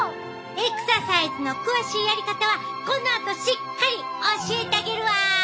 エクササイズの詳しいやり方はこのあとしっかり教えたげるわ！